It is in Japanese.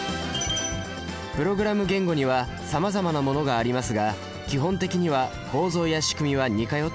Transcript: プログラム言語にはさまざまなものがありますが基本的には構造やしくみは似通っています。